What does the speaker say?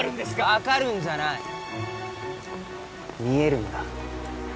分かるんじゃない見えるんだ